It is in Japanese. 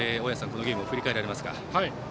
このゲームを振り返られますか。